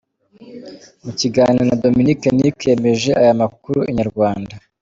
Mu kiganiro na Dominick Nick yemeje aya makuru, inyarwanda.